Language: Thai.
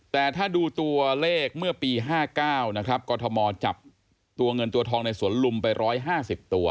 แต่ถ้าดูตัวเลขเมื่อปี๕๙นะครับกรทมจับตัวเงินตัวทองในสวนลุมไป๑๕๐ตัว